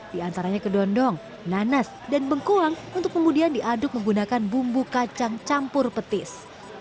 di antaranya kedondong nanas dan bengkuang untuk kemudian diaduk menggunakan bumbu kacang campur petis